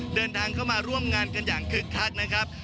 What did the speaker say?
เดินทางเข้ามาร่วมงานกันอย่างคึกคักนะครับ